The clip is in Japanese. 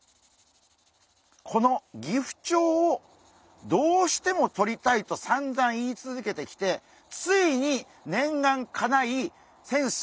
このギフチョウをどうしてもとりたいとさんざん言い続けてきてついに念願かない先生